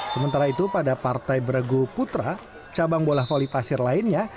sementara itu pada partai beregu putra cabang bola voli pasir lainnya